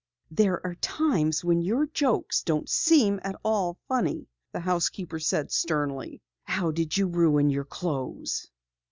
"There are times when your jokes don't seem at all funny," the housekeeper said sternly. "How did you ruin your clothes?"